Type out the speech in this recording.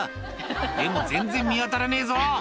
「でも全然見当たらねえぞ」